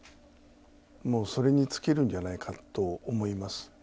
もうそれに尽きるんじゃないかと思います。